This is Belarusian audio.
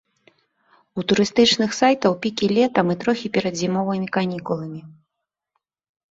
У турыстычных сайтаў пікі летам і трохі перад зімовымі канікуламі.